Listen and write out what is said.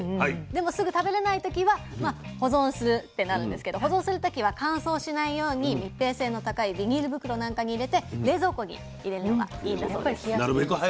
でもすぐ食べれない時は保存するってなるんですけど保存する時は乾燥しないように密閉性の高いビニール袋なんかに入れて冷蔵庫に入れるのがいいんだそうです。